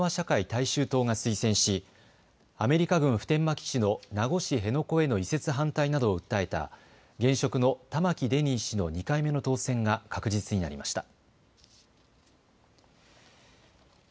大衆党が推薦し、アメリカ軍普天間基地の名護市辺野古への移設反対などを訴えた現職の玉城デニー氏の２回目の当選が確実になりました。